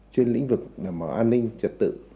trên lĩnh vực mở an ninh trật tự